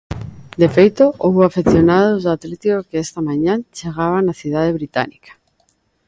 De feito, houbo afeccionados do Atlético que esta mañá chegaban á cidade británica.